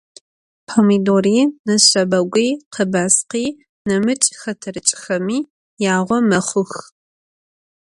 Pomidori, neşşebegui, khebaskhi, nemıç' xeterıç'xemi yağo mexhux.